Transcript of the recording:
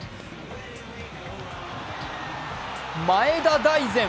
前田大然。